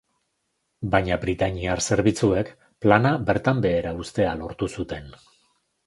Baina britainiar zerbitzuek plana bertan behera uztea lortu zuten.